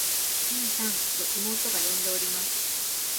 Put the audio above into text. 「ねえさん。」と妹が呼んでおります。